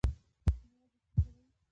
کینه ولې زړه توروي؟